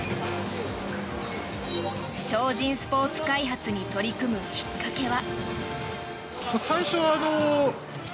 超人スポーツ開発に取り組むきっかけは。